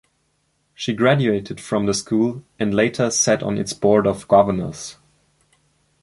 She graduated from the school and later sat on its Board of Governors.